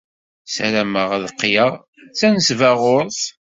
Ssarameɣ ad qqleɣ d tanesbaɣurt.